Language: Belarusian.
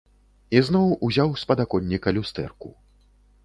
Ізноў узяў з падаконніка люстэрку.